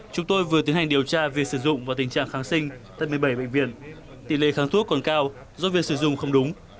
chúng tôi vừa tiến hành điều tra việc sử dụng và tình trạng kháng sinh tại một mươi bảy bệnh viện tỷ lệ kháng thuốc còn cao do việc sử dụng không đúng